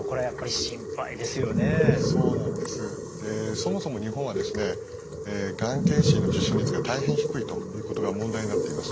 そもそも日本はですねがん検診の受診率が大変低いということが問題になっています。